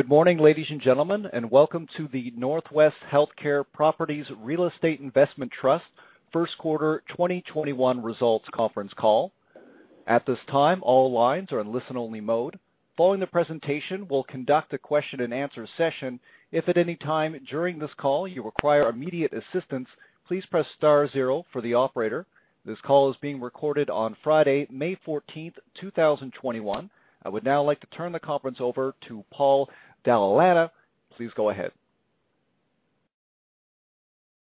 Good morning, ladies and gentlemen, and welcome to the Northwest Healthcare Properties Real Estate Investment Trust first quarter 2021 results conference call. At this time, all lines are in listen-only mode. Following the presentation, we'll conduct a question-and-answer session. If at any time during this call you require immediate assistance, please star zero for the operator. This call is being recorded on I would now like to turn the conference over to Paul Dalla Lana. Please go ahead.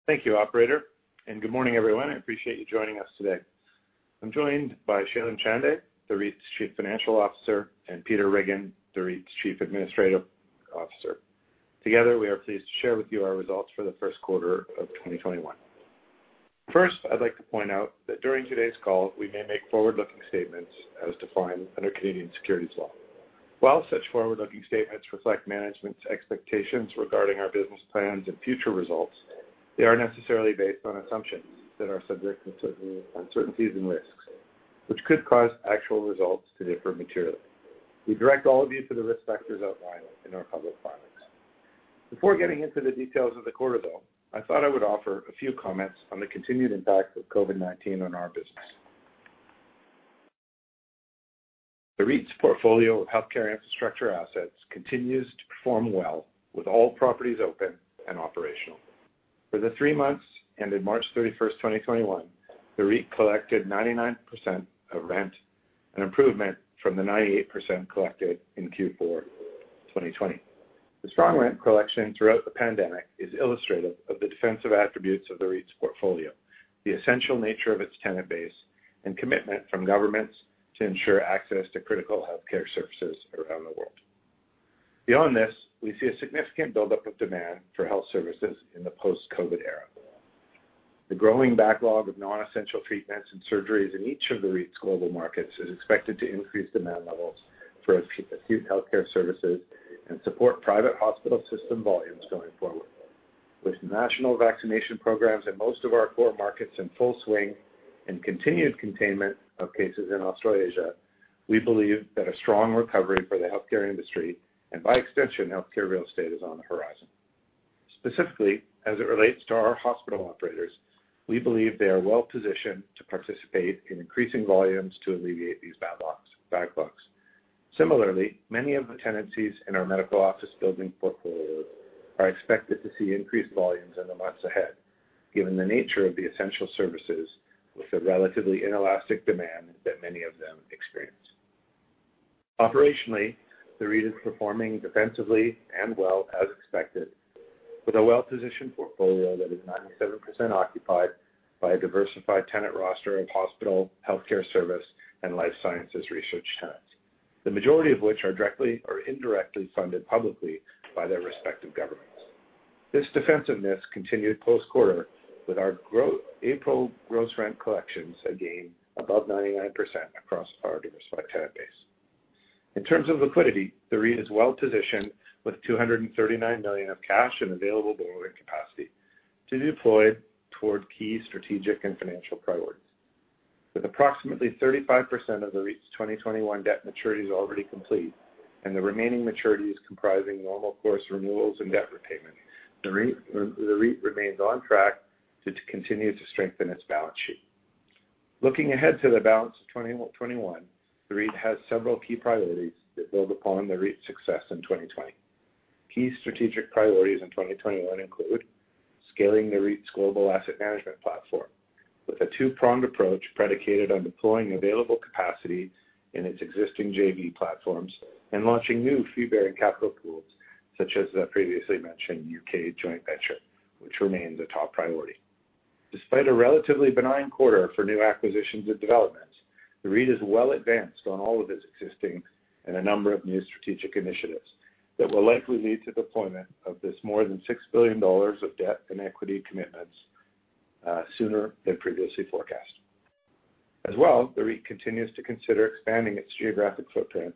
Thank you, operator. Good morning everyone. I appreciate you joining us today. I'm joined by Shailen Chande, the REIT's Chief Financial Officer, and Peter Riggin, the REIT's Chief Administrative Officer. Together, we are pleased to share with you our results for the first quarter of 2021. First, I'd like to point out that during today's call, we may make forward-looking statements as defined under Canadian securities law. While such forward-looking statements reflect management's expectations regarding our business plans and future results, they are necessarily based on assumptions that are subject to uncertainties and risks, which could cause actual results to differ materially. We direct all of you to the risk factors outlined in our public filings. Before getting into the details of the quarter, though, I thought I would offer a few comments on the continued impact of COVID-19 on our business. The REIT's portfolio of healthcare infrastructure assets continues to perform well with all properties open and operational. For the three months ended March 31st, 2021, the REIT collected 99% of rent, an improvement from the 98% collected in Q4 2020. The strong rent collection throughout the pandemic is illustrative of the defensive attributes of the REIT's portfolio, the essential nature of its tenant base, and commitment from governments to ensure access to critical healthcare services around the world. Beyond this, we see a significant buildup of demand for health services in the post-COVID era. The growing backlog of non-essential treatments and surgeries in each of the REIT's global markets is expected to increase demand levels for acute healthcare services and support private hospital system volumes going forward. With national vaccination programs in most of our core markets in full swing and continued containment of cases in Australasia, we believe that a strong recovery for the healthcare industry, and by extension, healthcare real estate, is on the horizon. Specifically, as it relates to our hospital operators, we believe they are well-positioned to participate in increasing volumes to alleviate these backlogs. Similarly, many of the tenancies in our medical office building portfolios are expected to see increased volumes in the months ahead given the nature of the essential services with the relatively inelastic demand that many of them experience. Operationally, the REIT is performing defensively and well as expected, with a well-positioned portfolio that is 97% occupied by a diversified tenant roster of hospital, healthcare service, and life sciences research tenants, the majority of which are directly or indirectly funded publicly by their respective governments. This defensiveness continued post-quarter with our April gross rent collections, again above 99% across our diversified tenant base. In terms of liquidity, the REIT is well-positioned with 239 million of cash and available borrowing capacity to deploy toward key strategic and financial priorities. With approximately 35% of the REIT's 2021 debt maturities already complete and the remaining maturities comprising normal course renewals and debt repayment, the REIT remains on track to continue to strengthen its balance sheet. Looking ahead to the balance of 2021, the REIT has several key priorities that build upon the REIT's success in 2020. Key strategic priorities in 2021 include scaling the REIT's global asset management platform with a two-pronged approach predicated on deploying available capacity in its existing JV platforms and launching new fee-bearing capital pools such as the previously mentioned U.K. joint venture, which remains a top priority. Despite a relatively benign quarter for new acquisitions and developments, the REIT is well advanced on all of its existing and a number of new strategic initiatives that will likely lead to deployment of this more than 6 billion dollars of debt and equity commitments sooner than previously forecast. As well, the REIT continues to consider expanding its geographic footprint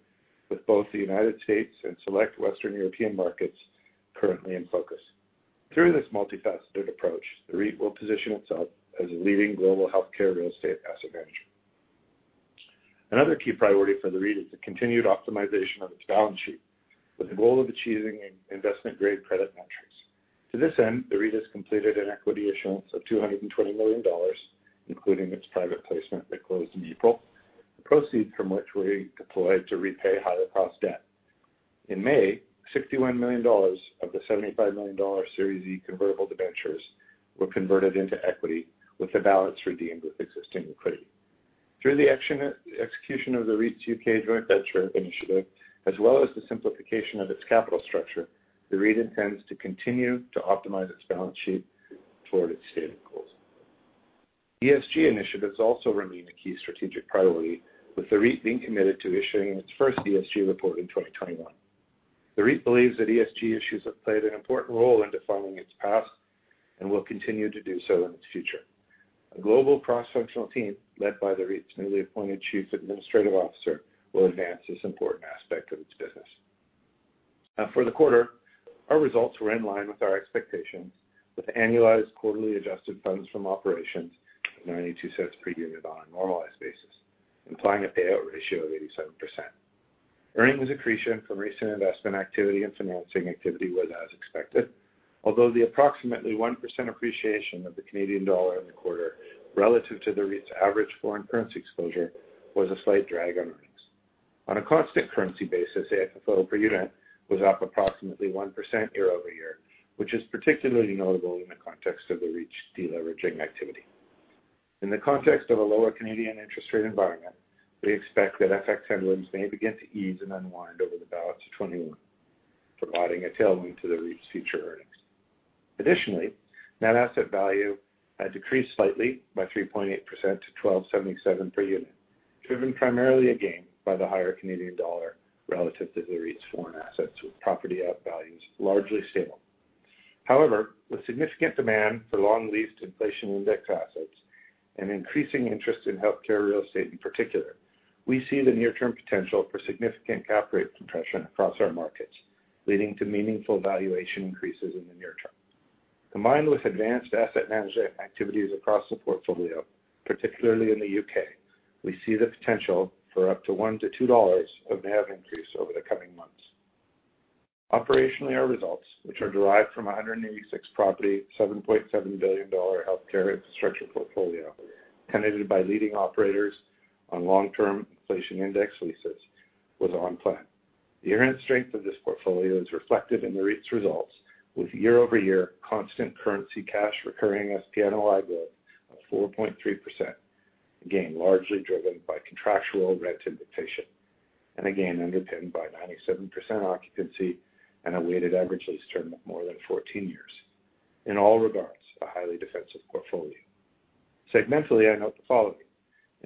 with both the United States and select Western European markets currently in focus. Through this multifaceted approach, the REIT will position itself as a leading global healthcare real estate asset manager. Another key priority for the REIT is the continued optimization of its balance sheet with the goal of achieving investment-grade credit metrics. To this end, the REIT has completed an equity issuance of 220 million dollars, including its private placement that closed in April, the proceeds from which we deployed to repay high-cost debt. In May, 61 million dollars of the 75 million dollar Series E convertible debentures were converted into equity, with the balance redeemed with existing liquidity. Through the execution of the REIT's U.K. joint venture initiative, as well as the simplification of its capital structure, the REIT intends to continue to optimize its balance sheet toward its stated goals. ESG initiatives also remain a key strategic priority, with the REIT being committed to issuing its first ESG report in 2021. The REIT believes that ESG issues have played an important role in defining its past and will continue to do so in its future. A global cross-functional team led by the REIT's newly appointed Chief Administrative Officer will advance this important aspect of its business. For the quarter, our results were in line with our expectations with annualized quarterly adjusted funds from operations of 0.92 per unit on a normalized basis. Implying a payout ratio of 87%. Earnings accretion from recent investment activity and financing activity was as expected, athough the approximately 1% appreciation of the Canadian dollar in the quarter relative to the REIT's average foreign currency exposure was a slight drag on earnings. On a constant currency basis, AFFO per unit was up approximately 1% year-over-year, which is particularly notable in the context of the REIT's de-leveraging activity. In the context of a lower Canadian interest rate environment, we expect that FX headwinds may begin to ease and unwind over the balance of 2021, providing a tailwind to the REIT's future earnings. Additionally, net asset value had decreased slightly by 3.8% to 12.77 per unit, driven primarily again by the higher Canadian dollar relative to the REIT's foreign assets, with property values largely stable. However, with significant demand for long-leased inflation-indexed assets and increasing interest in healthcare real estate in particular, we see the near-term potential for significant cap rate compression across our markets, leading to meaningful valuation increases in the near term. Combined with advanced asset management activities across the portfolio, particularly in the U.K., we see the potential for up to 1-2 dollars of NAV increase over the coming months. Operationally, our results, which are derived from 186 property, 7.7 billion dollar healthcare infrastructure portfolio, tenanted by leading operators on long-term inflation-indexed leases, was on plan. The inherent strength of this portfolio is reflected in the REIT's results with year-over-year constant currency cash recurring SPNOI growth of 4.3%, again, largely driven by contractual rent indexation, and again, underpinned by 97% occupancy and a weighted average lease term of more than 14 years. In all regards, a highly defensive portfolio. Segmentally in our portfolio,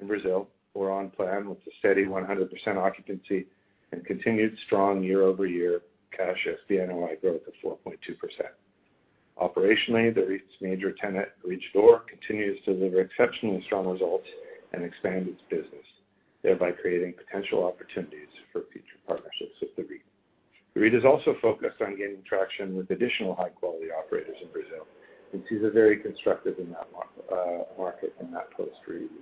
in Brazil, we're on plan with a steady 100% occupancy and continued strong year-over-year cash SPNOI growth of 4.2%. Operationally, the REIT's major tenant, Rede D'Or, continues to deliver exceptionally strong results and expand its business, thereby creating potential opportunities for future partnerships with the REIT. The REIT is also focused on gaining traction with additional high-quality operators in Brazil and sees it very constructive in that market in that post-COVID. C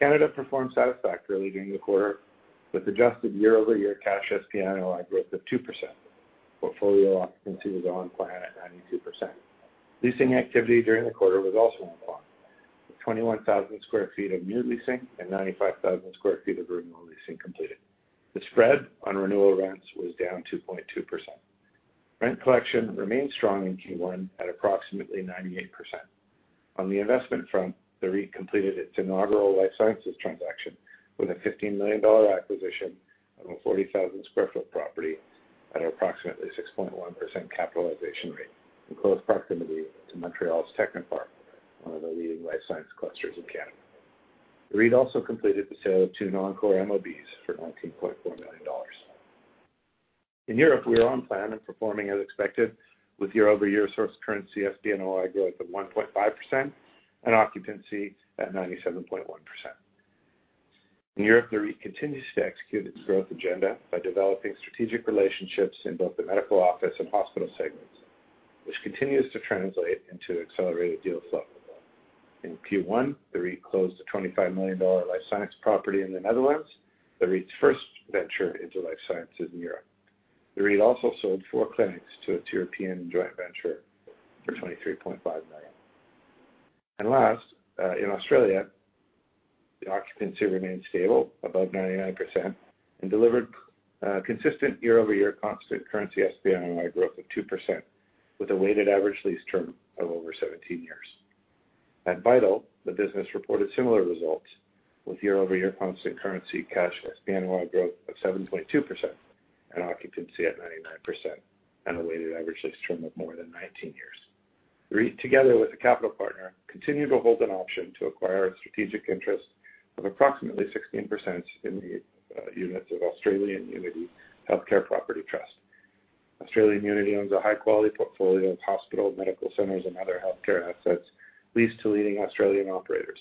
anada performed satisfactorily during the quarter with adjusted year-over-year cash SPNOI growth of 2%. Portfolio occupancy was on plan at 92%. Leasing activity during the quarter was also on plan, with 21,000 sq ft of new leasing and 95,000 sq ft of renewal leasing completed. The spread on renewal rents was down 2.2%. Rent collection remained strong in Q1 at approximately 98%. On the investment front, the REIT completed its inaugural life sciences transaction with a 15 million dollar acquisition on a 40,000 sq ft property at approximately 6.1% capitalization rate in close proximity to Montreal's Technoparc, one of the leading life science clusters in Canada. The REIT also completed the sale of two non-core MOBs for 19.4 million dollars. In Europe, we are on plan and performing as expected with year-over-year source currency SPNOI growth of 1.5% and occupancy at 97.1%. In Europe, the REIT continues to execute its growth agenda by developing strategic relationships in both the medical office and hospital segments, which continues to translate into accelerated deal flow. In Q1, the REIT closed a 25 million dollar life science property in the Netherlands, the REIT's first venture into life sciences in Europe. The REIT also sold four clinics to its European joint venture for 23.5 million. Last, in Australia, the occupancy remained stable above 99% and delivered consistent year-over-year constant currency SPNOI growth of 2% with a weighted average lease term of over 17 years. At Vital, the business reported similar results with year-over-year constant currency cash SPNOI growth of 7.2% and occupancy at 99% and a weighted average lease term of more than 19 years. The REIT, together with a capital partner, continue to hold an option to acquire a strategic interest of approximately 16% in the units of Australian Unity Healthcare Property Trust. Australian Unity owns a high-quality portfolio of hospital, medical centers, and other healthcare assets leased to leading Australian operators,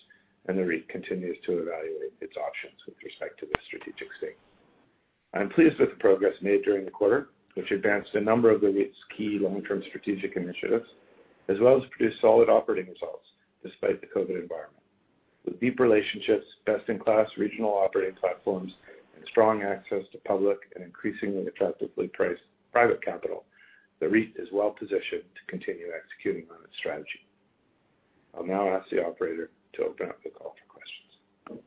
and the REIT continues to evaluate its options with respect to this strategic stake. I'm pleased with the progress made during the quarter, which advanced a number of the REIT's key long-term strategic initiatives, as well as produced solid operating results despite the COVID environment. With deep relationships, best-in-class regional operating platforms, and strong access to public and increasingly attractively priced private capital, the REIT is well-positioned to continue executing on its strategy. I'll now ask the operator to open up the call for questions.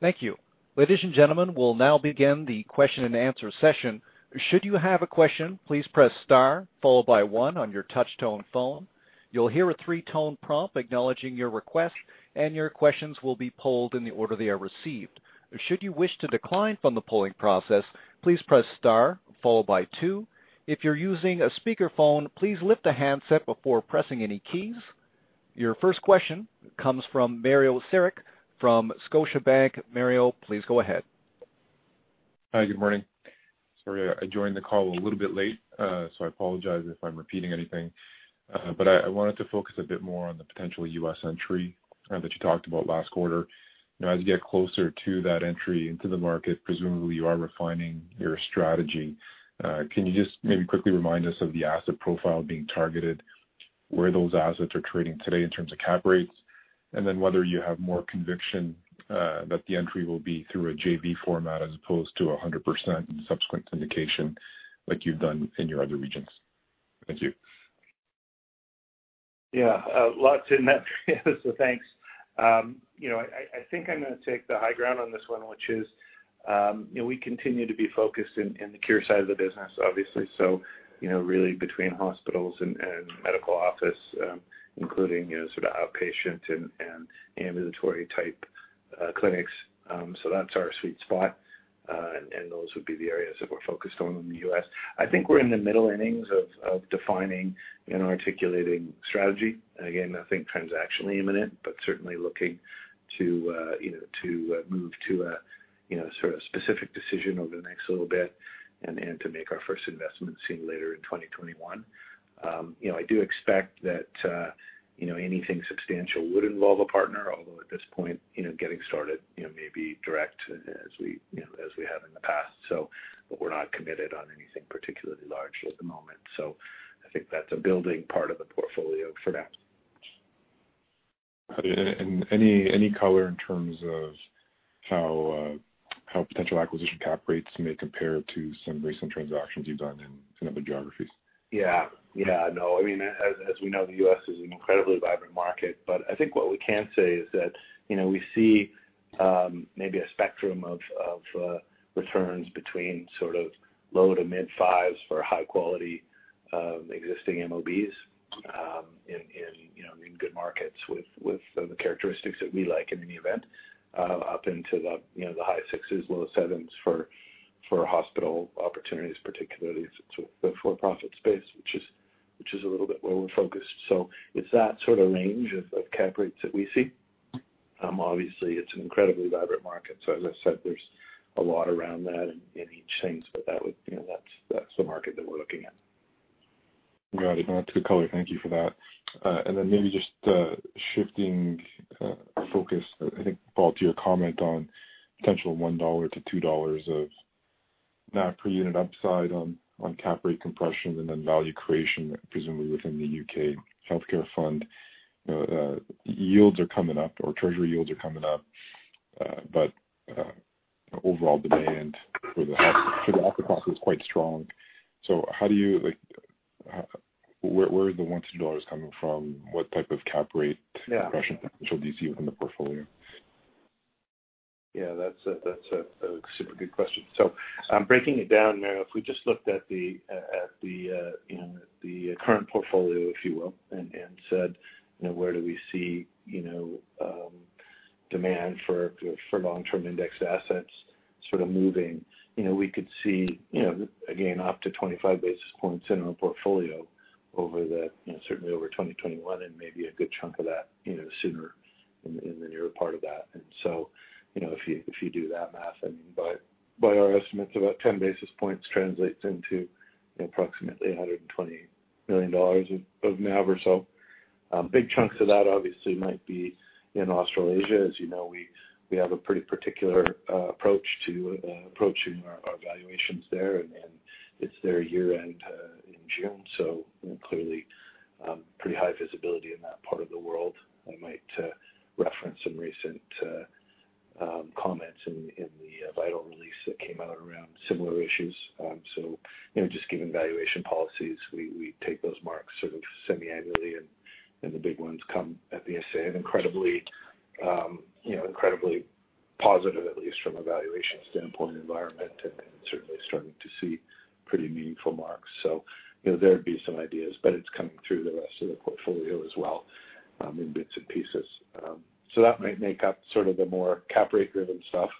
Thank you. Ladies and gentlemen, we'll now begin the question-and-answer session. Should you have a question, please press star followed by one on your touchtone phone. You will hear a three tone prong acknowledging your request, and your questions will be pullled in the order they were received. Should you wish to decline from the polling process, please press star followed by two. If you're using a speaker phone, please flip the handset before pressing any keys. Your first question comes from Mario Saric from Scotiabank. Mario, please go ahead. Hi, good morning. Sorry, I joined the call a little bit late, so I apologize if I'm repeating anything. I wanted to focus a bit more on the potential U.S. entry that you talked about last quarter. As you get closer to that entry into the market, presumably you are refining your strategy. Can you just maybe quickly remind us of the asset profile being targeted, where those assets are trading today in terms of cap rates, and then whether you have more conviction that the entry will be through a JV format as opposed to 100% and subsequent syndication like you've done in your other regions? Thank you. Lots in that, so thanks. I think I'm going to take the high ground on this one, which is we continue to be focused in the cure side of the business, obviously, really between hospitals and medical office, including sort of outpatient and ambulatory type clinics. That's our sweet spot, and those would be the areas that we're focused on in the U.S. I think we're in the middle innings of defining and articulating strategy. Again, nothing transactionally imminent, but certainly looking to move to a sort of specific decision over the next little bit and to make our first investment seen later in 2021. I do expect that anything substantial would involve a partner, although at this point, getting started maybe direct as we have in the past so we're not committed on anything particularly large at the moment. I think that's a building part of the portfolio for that. Any color in terms of how potential acquisition cap rates may compare to some recent transactions you've done in other geographies? Yeah. No, as we know, the U.S. is an incredibly vibrant market, but I think what we can say is that we see maybe a spectrum of returns between sort of low to mid 5s for high quality existing MOBs in good markets with some of the characteristics that we like in any event, up into the high 6s, low 7s for hospital opportunities, particularly the for-profit space, which is a little bit where we're focused. It's that sort of range of cap rates that we see. Obviously, it's an incredibly vibrant market, so as I said, there's a lot around that in each chains, but that's the market that we're looking at. Got it. No, it is good color. Thank you for that. Then maybe just shifting our focus, I think, Paul, to your comment on potential 1-2 dollar of NAV per unit upside on cap rate compression and then value creation, presumably within the U.K. healthcare fund. Yields are coming up or treasury yields are coming up, but overall demand for the offer process is quite strong. Where are the 1, 2 dollars coming from? What type of cap rate- Yeah. ...compression potential do you see within the portfolio? Yeah. That's a super good question. Breaking it down there, if we just looked at the current portfolio, if you will, and said, "Where do we see demand for long-term index assets sort of moving?" We could see again, up to 25 basis points in our portfolio certainly over 2021 and maybe a good chunk of that sooner in the nearer part of that. If you do that math, and by our estimates, about 10 basis points translates into approximately 120 million dollars of NAV or so. Big chunks of that obviously might be in Australasia. As you know, we have a pretty particular approach to approaching our valuations there, and it's their year-end in June, so clearly pretty high visibility in that part of the world. I might reference some recent comments in the Vital release that came out around similar issues. Just given valuation policies, we take those marks sort of semi-annually and the big ones come at the FYE and incredibly positive at least from a valuation standpoint environment and certainly starting to see pretty meaningful marks. There'd be some ideas, but it's coming through the rest of the portfolio as well in bits and pieces. That might make up sort of the more cap rate driven stuff.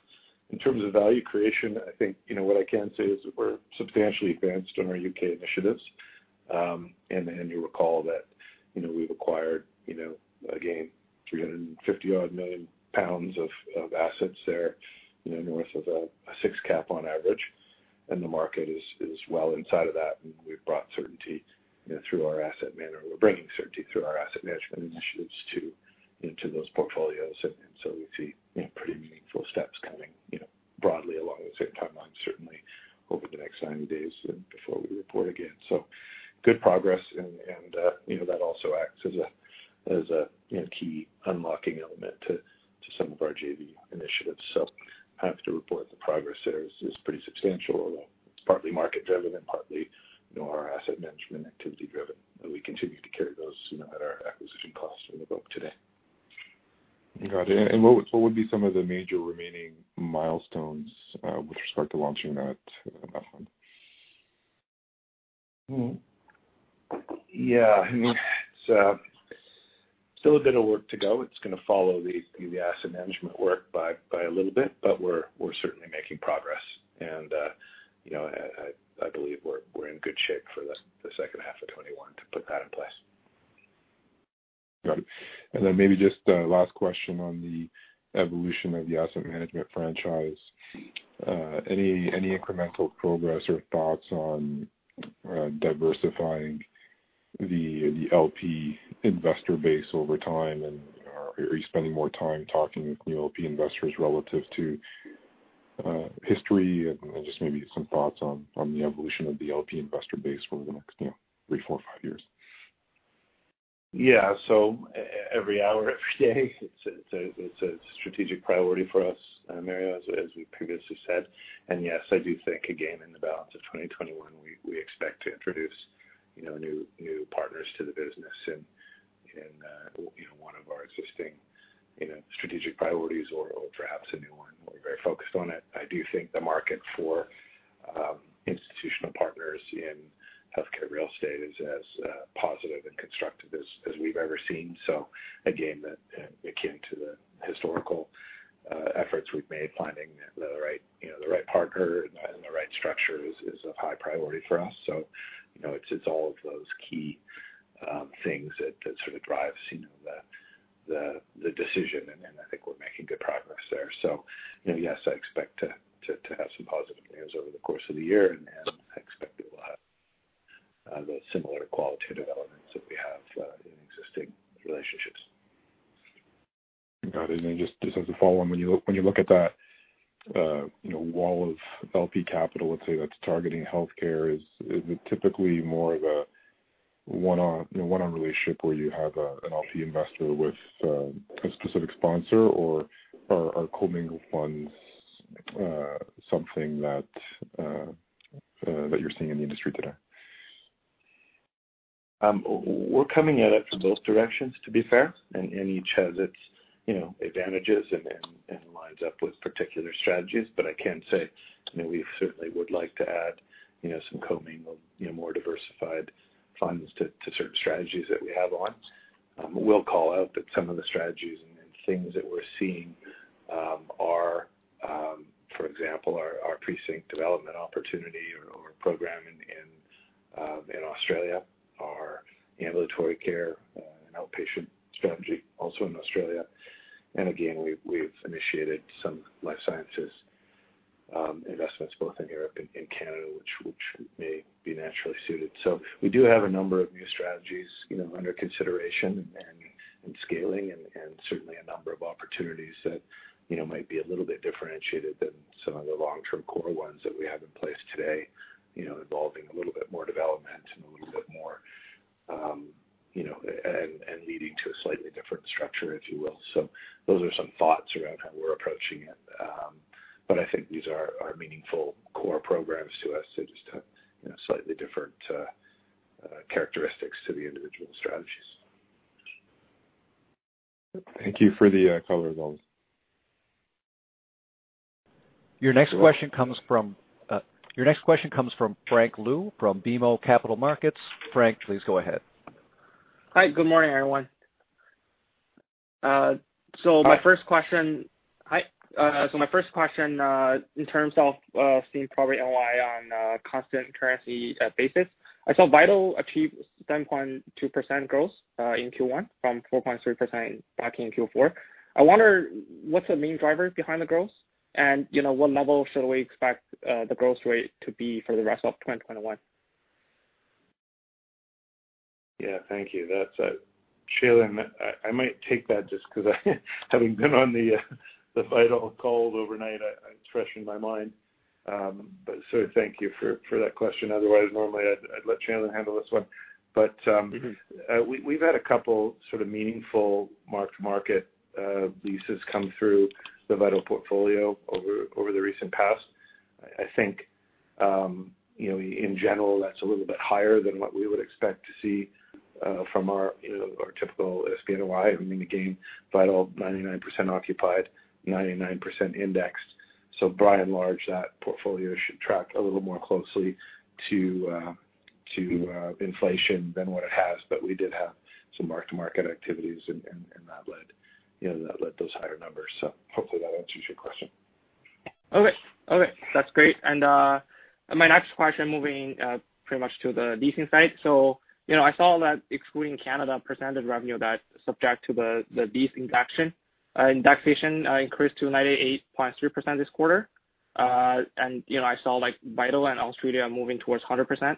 In terms of value creation, I think, what I can say is we're substantially advanced on our U.K. initiatives. You recall that we've acquired again, 350-odd million pounds of assets there north of a six cap on average. The market is well inside of that, and we've brought certainty through our asset manager. We're bringing certainty through our asset management initiatives into those portfolios. We see pretty meaningful steps coming broadly along the same timeline, certainly over the next 90 days before we report again. Good progress, and that also acts as a key unlocking element to some of our JV initiatives. I have to report the progress there is pretty substantial. It's partly market driven and partly our asset management activity driven, and we continue to carry those at our acquisition costs in the book today. Got it. What would be some of the major remaining milestones with respect to launching that fund? Yeah. Still a bit of work to go. It's going to follow the asset management work by a little bit, but we're certainly making progress. I believe we're in good shape for the second half of 2021 to put that in place. Got it. Maybe just a last question on the evolution of the asset management franchise. Any incremental progress or thoughts on diversifying the LP investor base over time, and are you spending more time talking with new LP investors relative to history and just maybe some thoughts on the evolution of the LP investor base over the next three, four, five years. Yeah. Every hour of every day it's a strategic priority for us, Mario, as we previously said. Yes, I do think again, in the balance of 2021, we expect to introduce new partners to the business in one of our existing strategic priorities or perhaps a new one. We're very focused on it. I do think the market for institutional partners in healthcare real estate is as positive and constructive as we've ever seen. Again, akin to the historical efforts we've made, finding the right partner and the right structure is of high priority for us. It's all of those key things that sort of drives the decision, and I think we're making good progress there. Yes, I expect to have some positive news over the course of the year, and I expect it will have those similar qualitative elements that we have in existing relationships. Got it. Then just as a follow-on, when you look at that wall of LP capital, let's say that's targeting healthcare, is it typically more of a one-on relationship where you have an LP investor with a specific sponsor or are commingled funds something that you're seeing in the industry today? We're coming at it from both directions, to be fair, and each has its advantages and lines up with particular strategies. I can say we certainly would like to add some commingled, more diversified funds to certain strategies that we have on. We'll call out that some of the strategies and things that we're seeing are, for example, our precinct development opportunity or program in Australia, our ambulatory care and outpatient strategy also in Australia. Again, we've initiated some life sciences investments both in Europe and Canada, which may be naturally suited. We do have a number of new strategies under consideration and scaling and certainly a number of opportunities that might be a little bit differentiated than some of the long-term core ones that we have in place today, involving a little bit more development and leading to a slightly different structure, if you will. Those are some thoughts around how we're approaching it. I think these are meaningful core programs to us and they're just slightly different characteristics to the individual strategies. Thank you for the color as always. Your next question comes from Frank Liu from BMO Capital Markets. Frank, please go ahead. Hi. Good morning, everyone. Hi. Hi. My first question, in terms of seeing property NOI on a constant currency basis, I saw Vital achieve 7.2% growth in Q1 from 4.3% back in Q4. I wonder what's the main driver behind the growth and what level should we expect the growth rate to be for the rest of 2021? Thank you. Shailen, I might take that just because having been on the Vital call overnight, it's fresh in my mind. Thank you for that question. Otherwise, normally, I'd let Shailen handle this one. We've had a couple sort of meaningful mark-to-market leases come through the Vital portfolio over the recent past. I think in general, that's a little bit higher than what we would expect to see from our typical SPNOI. I mean, again, Vital, 99% occupied, 99% indexed. By and large, that portfolio should track a little more closely to inflation than what it has but we did have some mark-to-market activities, and that led those higher numbers. Hopefully that answers your question. That's great. My next question, moving pretty much to the leasing side. I saw that excluding Canada, percentage revenue that subject to the lease indexation increased to 98.3% this quarter. I saw Vital and Australia moving towards 100%.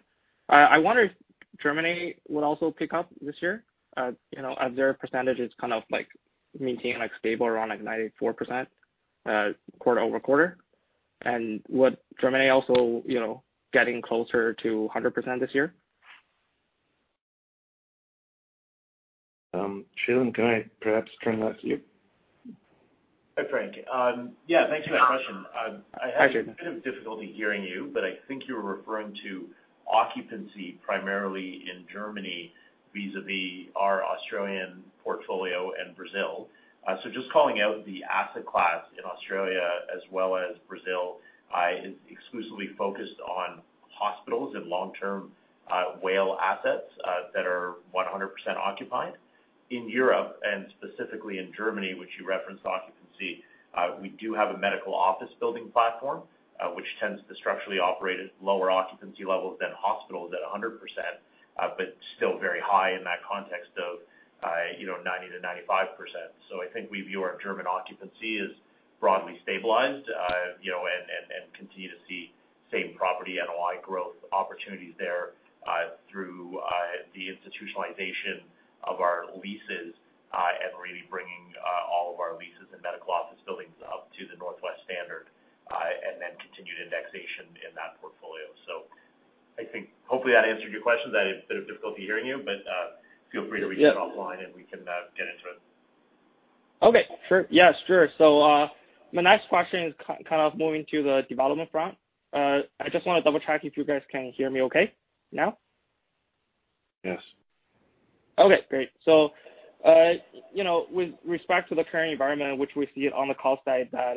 I wonder if Germany would also pick up this year. Their percentage is kind of maintaining stable around 94% quarter-over-quarter. Would Germany also getting closer to 100% this year? Shailen, can I perhaps turn that to you? Hi, Frank. Yeah, thanks for that question. Hi, Shailen. I had a bit of difficulty hearing you, but I think you were referring to occupancy primarily in Germany vis-a-vis our Australian portfolio and Brazil. Just calling out the asset class in Australia as well as Brazil is exclusively focused on hospitals and long-term WALE assets that are 100% occupied. In Europe and specifically in Germany, which you referenced occupancy, we do have a medical office building platform, which tends to structurally operate at lower occupancy levels than hospitals at 100%, but still very high in that context of 90%-95%. I think we view our German occupancy as broadly stabilized, and continue to see Same property NOI growth opportunities there through the institutionalization of our leases and really bringing all of our leases and Medical Office Buildings up to the NorthWest standard and then continued indexation in that portfolio. I think hopefully that answered your question. I had a bit of difficulty hearing you, feel free to reach out offline, we can now get into it. Okay, sure. Yes, sure. My next question is kind of moving to the development front. I just want to double-check if you guys can hear me okay now. Yes. Okay, great. With respect to the current environment in which we see it on the call side that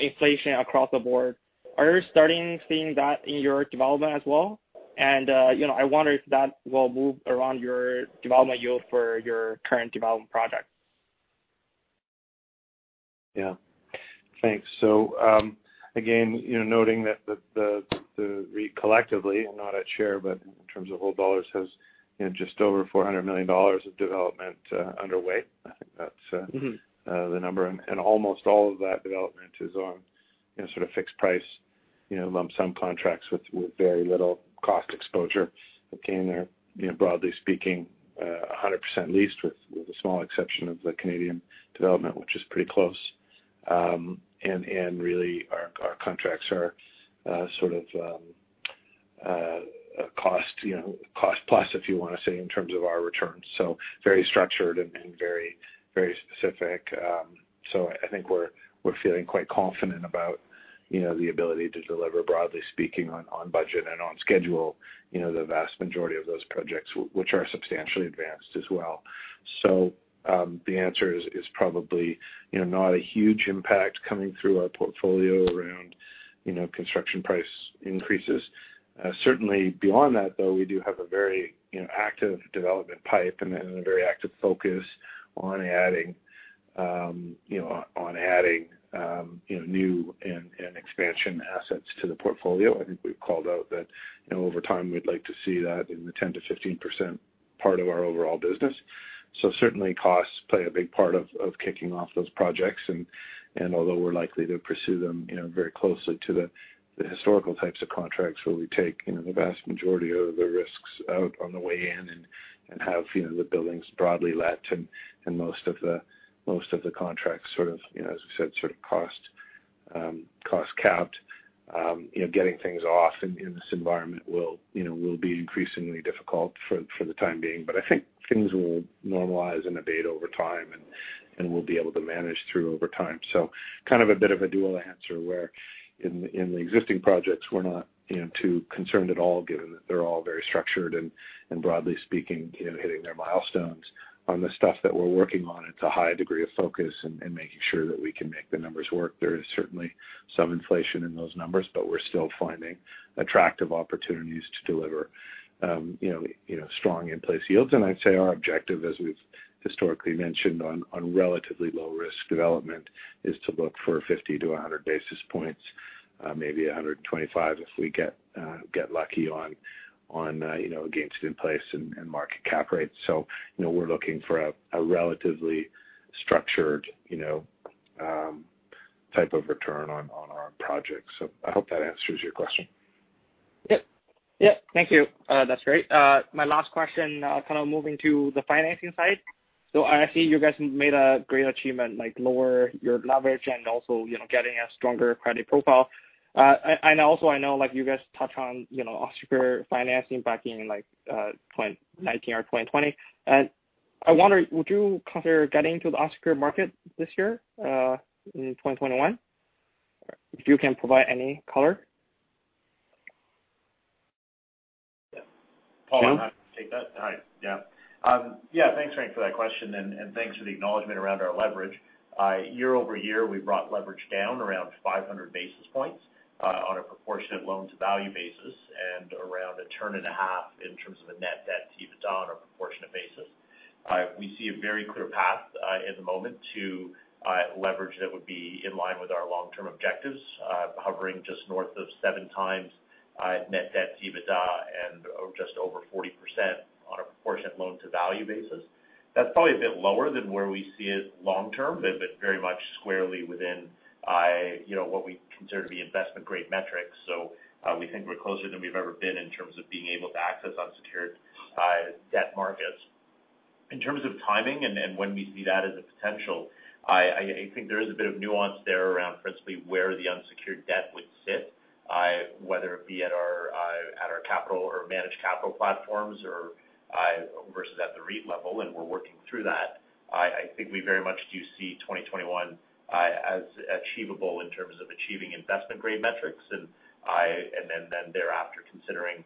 inflation across the board, are you starting seeing that in your development as well? I wonder if that will move around your development yield for your current development project. Yeah. Thanks. Again, noting that the REIT collectively, not at share, but in terms of whole dollars, has just over 400 million dollars of development underway. I think that's the number. Almost all of that development is on sort of fixed price, lump sum contracts with very little cost exposure. Again, they're broadly speaking, 100% leased, with a small exception of the Canadian development, which is pretty close and really our contracts are sort of cost plus, if you want to say, in terms of our returns, so very structured and very specific. I think we're feeling quite confident about the ability to deliver, broadly speaking, on budget and on schedule, the vast majority of those projects, which are substantially advanced as well so the answer is probably not a huge impact coming through our portfolio around construction price increases. Certainly beyond that, though, we do have a very active development pipe and a very active focus on adding new and expansion assets to the portfolio. I think we've called out that over time, we'd like to see that in the 10%-15% part of our overall business. Certainly costs play a big part of kicking off those projects, and although we're likely to pursue them very closely to the historical types of contracts where we take the vast majority of the risks out on the way in and have the buildings broadly let, and most of the contracts, as we said, sort of cost capped. Getting things off in this environment will be increasingly difficult for the time being, but I think things will normalize and abate over time, and we'll be able to manage through over time. Kind of a bit of a dual answer where in the existing projects, we're not too concerned at all, given that they're all very structured and broadly speaking, hitting their milestones. On the stuff that we're working on, it's a high degree of focus and making sure that we can make the numbers work. There is certainly some inflation in those numbers, but we're still finding attractive opportunities to deliver strong in-place yields. I'd say our objective, as we've historically mentioned on relatively low-risk development, is to look for 50-100 basis points, maybe 125 if we get lucky on gains in place and market cap rates and we're looking for a relatively structured type of return on our projects. I hope that answers your question. Yep. Thank you. That's great. My last question, kind of moving to the financing side. I see you guys made a great achievement, like lower your leverage and also getting a stronger credit profile. I know you guys touch on unsecured financing back in 2019 or 2020. I wonder, would you consider getting to the unsecured market this year, in 2021? You can provide any color. Yeah. Paul, I'm happy to take that. All right, yeah. Yeah, thanks, Frank, for that question, and thanks for the acknowledgement around our leverage. Year-over-year, we've brought leverage down around 500 basis points on a proportionate loan-to-value basis and around a turn and a half in terms of a net debt to EBITDA on a proportionate basis. We see a very clear path at the moment to leverage that would be in line with our long-term objectives, hovering just north of 7x net debt to EBITDA and just over 40% on a proportionate loan-to-value basis. That's probably a bit lower than where we see it long term, but very much squarely within what we consider to be investment-grade metrics. We think we're closer than we've ever been in terms of being able to access unsecured debt markets. In terms of timing and when we see that as a potential, I think there is a bit of nuance there around principally where the unsecured debt would sit, whether it be at our capital or managed capital platforms versus at the REIT level, and we're working through that. I think we very much do see 2021 as achievable in terms of achieving investment-grade metrics, and then thereafter considering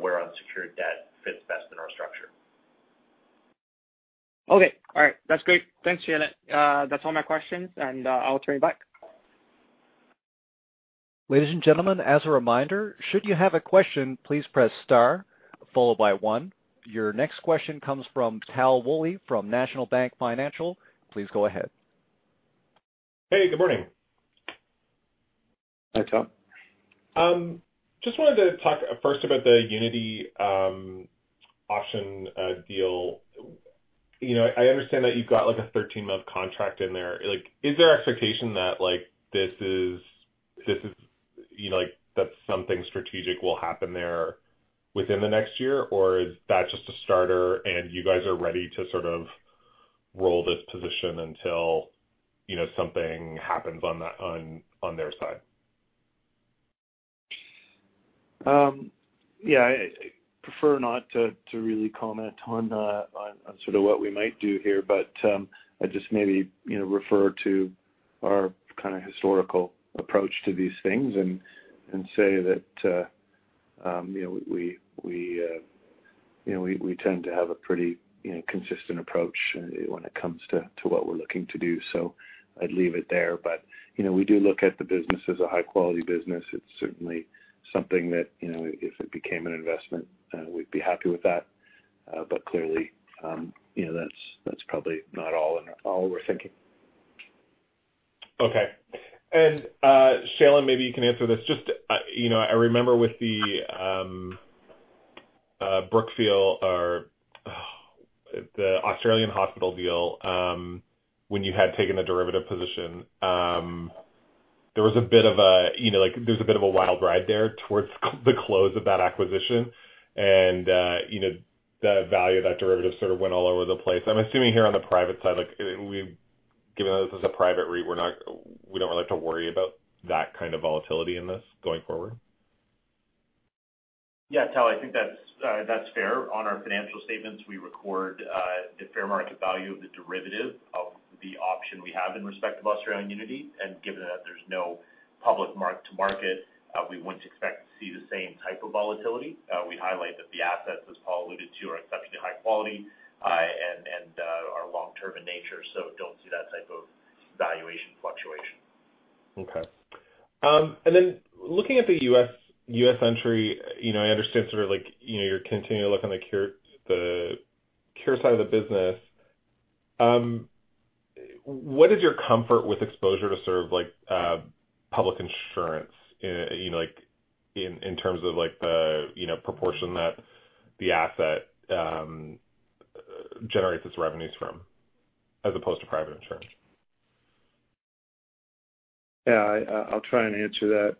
where unsecured debt fits best in our structure. Okay. All right. That's great. Thanks, Shailen. That's all my questions, and I'll turn it back. Ladies and gentlemen, as a reminder, should you have a question, please press star followed by one. Your next question comes from Tal Woolley from National Bank Financial. Please go ahead. Hey, good morning. Hi, Tal. Just wanted to talk first about the Unity option deal. I understand that you've got a 13-month contract in there. Is there expectation that something strategic will happen there within the next year, or is that just a starter and you guys are ready to sort of roll this position until something happens on their side? Yeah. I prefer not to really comment on what we might do here, but I just maybe refer to our historical approach to these things and say that we tend to have a pretty consistent approach when it comes to what we're looking to do so I'd leave it there but we do look at the business as a high-quality business. It's certainly something that, if it became an investment, we'd be happy with that. Clearly, that's probably not all we're thinking. Okay. Shailen, maybe you can answer this. Just, I remember with the Brookfield or the Australian hospital deal, when you had taken the derivative position, there was a bit of a wild ride there towards the close of that acquisition. The value of that derivative sort of went all over the place. I'm assuming here on the private side, given that this is a private REIT, we don't really have to worry about that kind of volatility in this going forward. Tal, I think that's fair. On our financial statements, we record the fair market value of the derivative of the option we have in respect of Australian Unity, and given that there's no public mark-to-market, we wouldn't expect to see the same type of volatility and we highlight that the assets, as Paul alluded to, are exceptionally high quality, and are long-term in nature, so don't see that type of valuation fluctuation. Looking at the U.S. entry, I understand you're continuing to look on the cure side of the business. What is your comfort with exposure to public insurance in terms of the proportion that the asset generates its revenues from as opposed to private insurance? I'll try and answer that,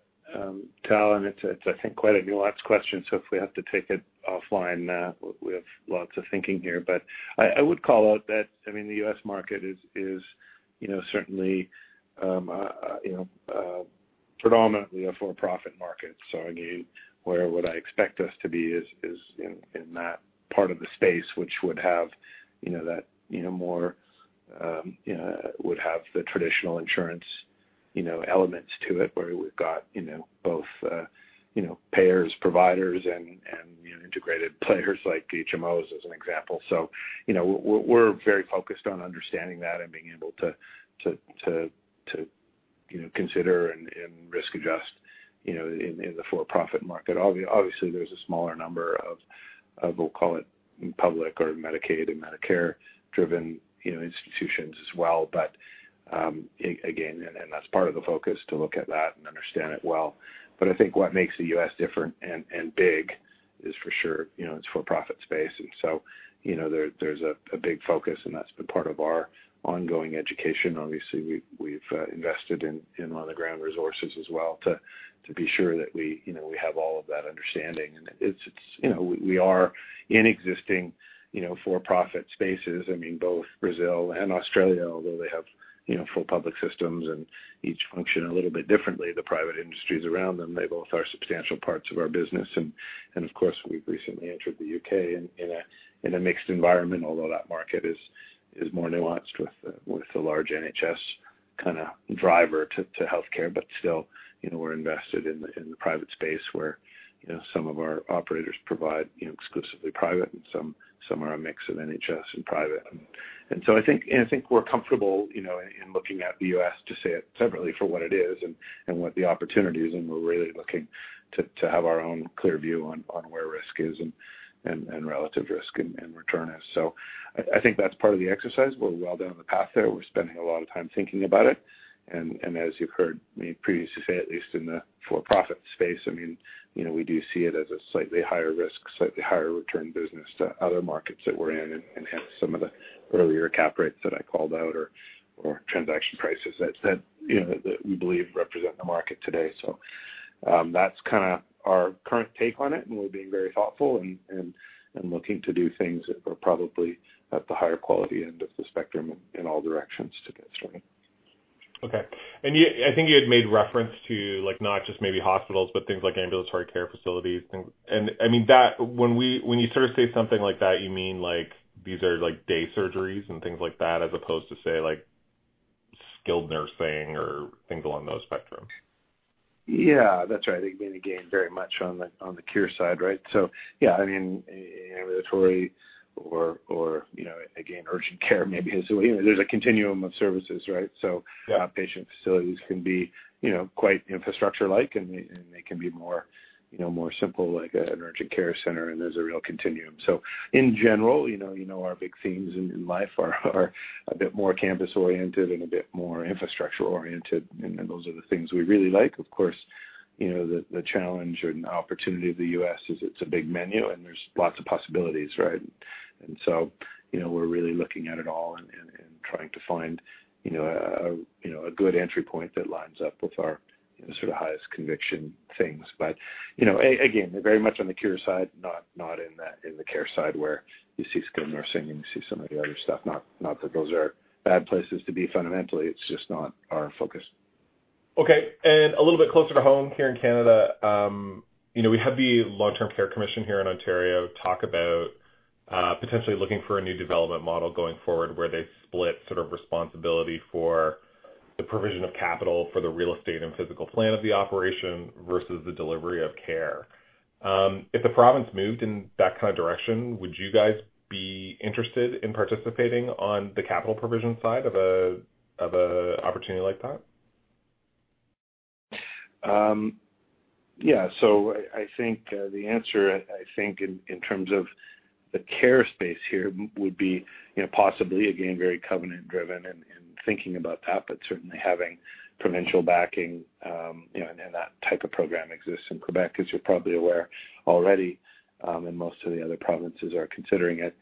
Tal, and it's I think quite a nuanced question, so if we have to take it offline, we have lots of thinking here. I would call out that the U.S. market is certainly predominantly a for-profit market. Again, where would I expect us to be is in that part of the space which would have the traditional insurance elements to it, where we've got both payers, providers and integrated players like HMOs as an example. We're very focused on understanding that and being able to consider and risk adjust in the for-profit market. Obviously, there's a smaller number of, we'll call it public or Medicaid and Medicare driven institutions as well, but again, and that's part of the focus to look at that and understand it well. I think what makes the U.S. different and big is for sure, its for-profit space and so there's a big focus, and that's been part of our ongoing education. Obviously, we've invested in a lot of ground resources as well to be sure that we have all of that understanding. We are in existing for-profit spaces. Both Brazil and Australia, although they have full public systems and each function a little bit differently, the private industries around them, they both are substantial parts of our business. Of course, we've recently entered the U.K. in a mixed environment, although that market is more nuanced with the large NHS kind of driver to healthcare. Still, we're invested in the private space where some of our operators provide exclusively private and some are a mix of NHS and private. I think we're comfortable in looking at the U.S. to see it separately for what it is and what the opportunity is, and we're really looking to have our own clear view on where risk is and relative risk and return is. I think that's part of the exercise. We're well down the path there. We're spending a lot of time thinking about it, and as you've heard me previously say, at least in the for-profit space, we do see it as a slightly higher risk, slightly higher return business to other markets that we're in and have some of the earlier cap rates that I called out or transaction prices that we believe represent the market today. That's kind of our current take on it, and we're being very thoughtful and looking to do things that are probably at the higher quality end of the spectrum in all directions to get started. Okay. I think you had made reference to not just maybe hospitals, but things like ambulatory care facilities. When you sort of say something like that, you mean these are day surgeries and things like that, as opposed to, say, skilled nursing or things along those spectrums? Yeah, that's right. I think, again, very much on the cure side, right? Yeah, ambulatory or again, urgent care, maybe. There's a continuum of services, right? Yeah. Outpatient facilities can be quite infrastructure like, and they can be more simple, like an urgent care center, and there's a real continuum. In general our big themes in life are a bit more campus-oriented and a bit more infrastructure-oriented, and those are the things we really like. Of course, the challenge and the opportunity of the U.S. is it's a big menu and there's lots of possibilities, right? We're really looking at it all, trying to find a good entry point that lines up with our sort of highest conviction things. Again, very much on the cure side, not in the care side where you see skilled nursing, you see some of the other stuff so not that those are bad places to be fundamentally, it's just not our focus. Okay. A little bit closer to home here in Canada, we had the Long-Term Care Commission here in Ontario talk about potentially looking for a new development model going forward, where they split sort of responsibility for the provision of capital for the real estate and physical plan of the operation versus the delivery of care. If the province moved in that kind of direction, would you guys be interested in participating on the capital provision side of an opportunity like that? I think the answer, I think in terms of the care space here would be possibly, again, very covenant driven and thinking about that, but certainly having provincial backing, and that type of program exists in Quebec, as you're probably aware already and most of the other provinces are considering it.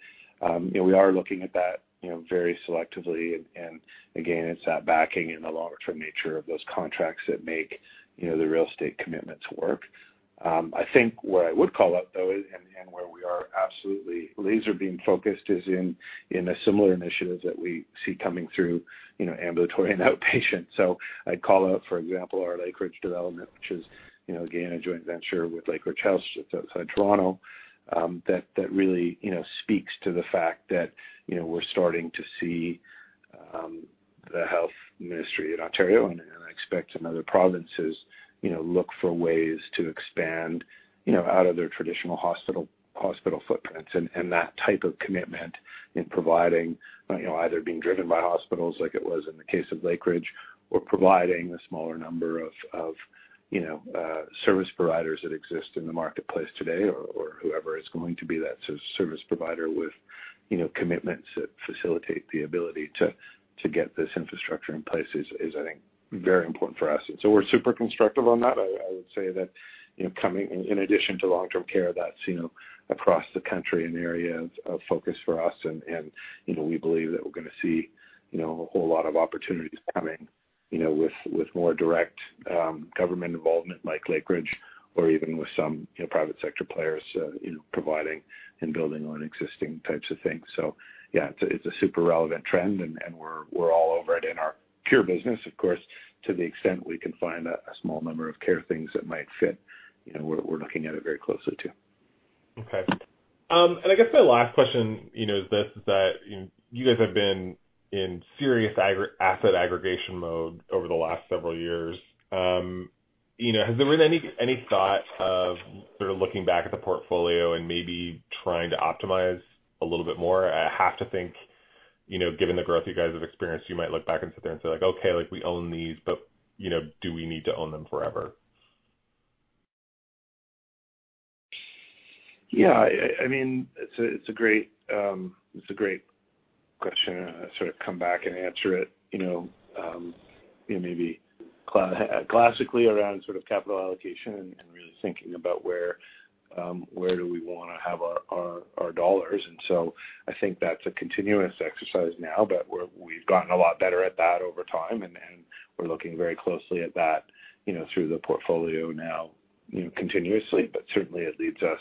We are looking at that very selectively, and again, it's that backing and the longer-term nature of those contracts that make the real estate commitments work. I think what I would call out, though, and where we are absolutely laser beam-focused, is in the similar initiatives that we see coming through ambulatory and outpatient. I'd call out, for example, our Lakeridge development which is again, a joint venture with Lakeridge Health outside Toronto, that really speaks to the fact that we're starting to see the health ministry in Ontario, and I expect in other provinces look for ways to expand out of their traditional hospital footprints. That type of commitment in providing either being driven by hospitals like it was in the case of Lakeridge or providing a smaller number of service providers that exist in the marketplace today, or whoever is going to be that service provider with commitments that facilitate the ability to get this infrastructure in place is, I think, very important for us. We're super constructive on that. I would say that in addition to long-term care, that's across the country, an area of focus for us, and we believe that we're going to see a whole lot of opportunities coming with more direct government involvement like Lakeridge or even with some private sector players providing and building on existing types of things. Yeah, it's a super relevant trend, and we're all over it in our pure business. Of course, to the extent we can find a small number of care things that might fit, we're looking at it very closely, too. Okay. I guess my last question is this, is that you guys have been in serious asset aggregation mode over the last several years. Has there been any thought of sort of looking back at the portfolio and maybe trying to optimize a little bit more? I have to think, given the growth you guys have experienced, you might look back and sit there and say, "Okay, we own these, but do we need to own them forever? It's a great question. Come back and answer it maybe classically around capital allocation and really thinking about where do we want to have our dollars. I think that's a continuous exercise now. We've gotten a lot better at that over time, and we're looking very closely at that through the portfolio now continuously. Certainly, it leads us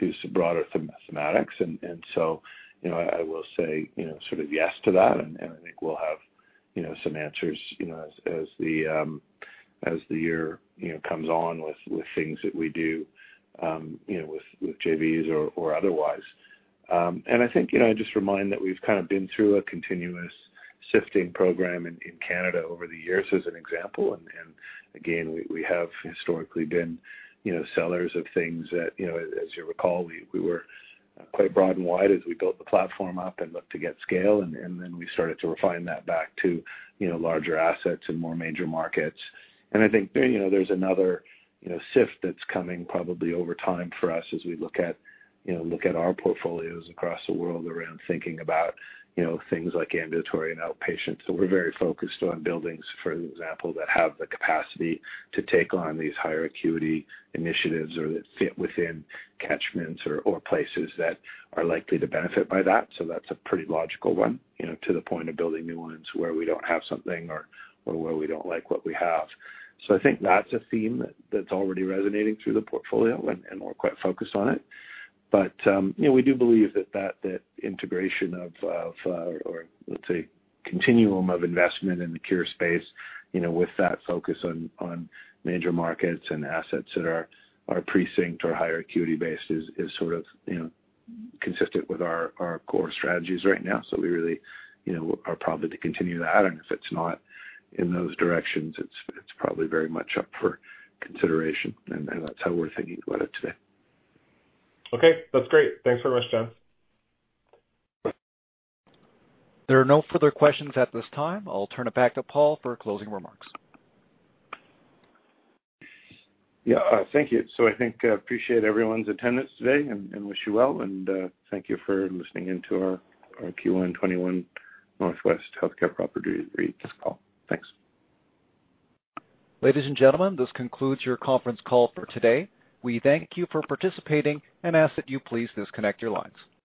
to some broader mathematics. I will say yes to that, and I think we'll have some answers as the year comes on with things that we do with JVs or otherwise. I think just remind that we've kind of been through a continuous sifting program in Canada over the years as an example. Again, we have historically been sellers of things that, as you recall, we were quite broad and wide as we built the platform up and looked to get scale, and then we started to refine that back to larger assets and more major markets. I think there's another sift that's coming probably over time for us as we look at our portfolios across the world around thinking about things like ambulatory and outpatient. We're very focused on buildings, for example, that have the capacity to take on these higher acuity initiatives or that fit within catchments or places that are likely to benefit by that. That's a pretty logical one to the point of building new ones where we don't have something or where we don't like what we have. I think that's a theme that's already resonating through the portfolio, and we're quite focused on it and we do believe that that integration of, or let's say continuum of investment in the cure space with that focus on major markets and assets that are precinct or higher acuity based is sort of consistent with our core strategies right now. We really are probably to continue that. If it's not in those directions, it's probably very much up for consideration and then that's how we're thinking about it today. Okay. That's great. Thanks very much, John. There are no further questions at this time. I'll turn it back to Paul for closing remarks. Thank you. I appreciate everyone's attendance today and wish you well. Thank you for listening in to our Q1 2021 Vital Infrastructure Property Trust call. Thanks. Ladies and gentlemen, this concludes your conference call for today. We thank you for participating and ask that you please disconnect your lines.